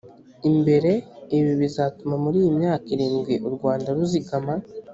imbere ibi bizatuma muri iyi myaka irindwi u rwanda ruzigama